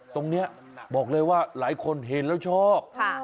ตรงนี้บอกเลยว่าหลายคนเห็นแล้วชอบ